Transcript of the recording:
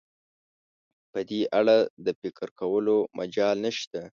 په دې اړه د فکر کولو مجال نشته.